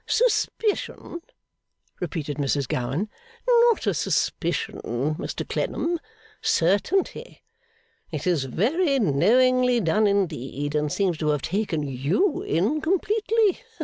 'Suspicion?' repeated Mrs Gowan. 'Not suspicion, Mr Clennam, Certainty. It is very knowingly done indeed, and seems to have taken you in completely.